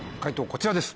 こちらです。